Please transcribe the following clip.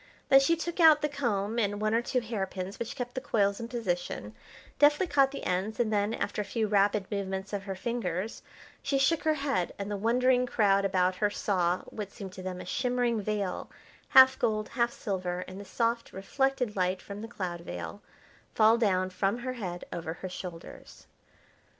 Then she took out the comb and one or two hairpins which kept the coils in position, deftly caught the ends, and then, after a few rapid movements of her fingers, she shook her head, and the wondering crowd about her saw, what seemed to them a shimmering veil, half gold, half silver, in the soft reflected light from the cloud veil, fall down from her head over her shoulders.